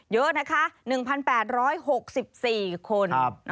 เยอะนะคะ๑๘๖๔คน